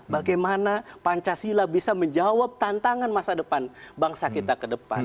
bagaimana pancasila bisa menjawab tantangan masa depan bangsa kita ke depan